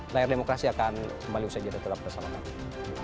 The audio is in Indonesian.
layar demokrasi akan kembali usai jadwal tetap bersama kami